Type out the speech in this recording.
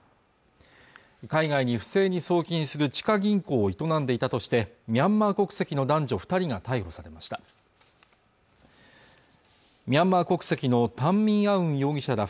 海外に不正に送金する地下銀行を営んでいたとしてもミャンマー国籍の男女二人が逮捕されましたミャンマー国籍のタン・ミン・アウン容疑者ら